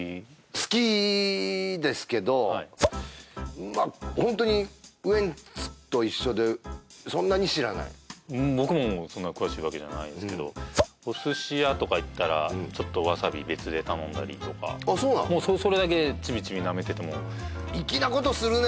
好きですけどはいまあホントにウエンツと一緒でそんなに知らない僕もそんなに詳しいわけじゃないんすけどお寿司屋とか行ったらちょっとわさび別で頼んだりとかあっそうなのもうそれだけチビチビなめてても粋なことするね！